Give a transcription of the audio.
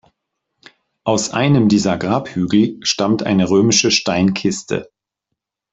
Aus einem dieser Grabhügel stammt eine römische Steinkiste.